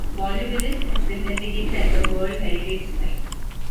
Volubilis has been designated as a World Heritage Site.